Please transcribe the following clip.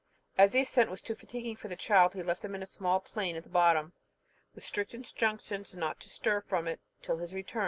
As the ascent was too fatiguing for the child, he left him on a small plain at the bottom, with strict injunctions not to stir from it till his return.